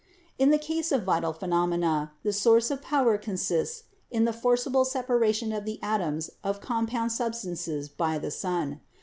In the case of vital phenomena, the source of power con sists in the forcible separation of the atoms of compound substances by the sun.